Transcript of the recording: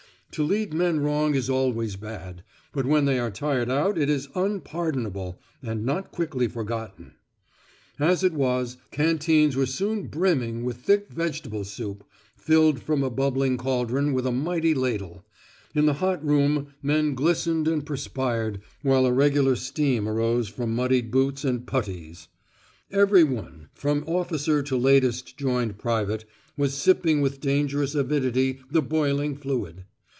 To lead men wrong is always bad; but when they are tired out it is unpardonable, and not quickly forgotten. As it was, canteens were soon brimming with thick vegetable soup, filled from a bubbling cauldron with a mighty ladle. In the hot room men glistened and perspired, while a regular steam arose from muddied boots and puttees; every one, from officer to latest joined private, was sipping with dangerous avidity the boiling fluid.